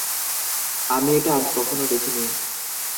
আমি এটা আগে কখনো দেখিনি।